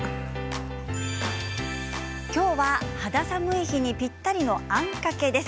今日は肌寒い日にぴったりのあんかけです。